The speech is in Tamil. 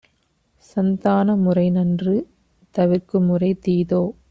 சந்தான முறைநன்று; தவிர்க்குமுறை தீதோ?